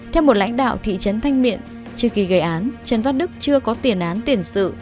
theo một lãnh đạo thị trấn thanh miện trước khi gây án trần văn đức chưa có tiền án tiền sự